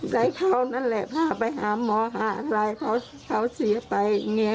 ให้เขานั่นแหละพาไปหาหมอหาอะไรเขาเสียไปอย่างนี้